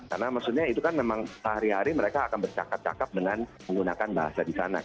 karena maksudnya itu kan memang sehari hari mereka akan bercakap cakap dengan menggunakan bahasa di sana